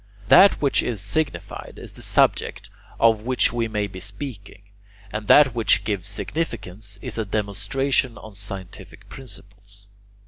That which is signified is the subject of which we may be speaking; and that which gives significance is a demonstration on scientific principles.